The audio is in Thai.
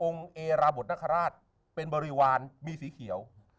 เอราบทนคราชเป็นบริวารมีสีเขียว